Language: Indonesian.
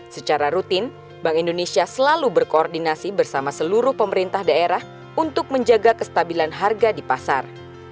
secara rutin bank indonesia selalu berkoordinasi bersama seluruh pemerintah daerah untuk menjaga kestabilan harga di pasar